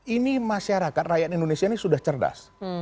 ini masyarakat rakyat indonesia ini sudah cerdas